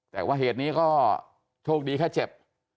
แต่ว่าเหตุนี้ก็โชคดีแค่เจ็บ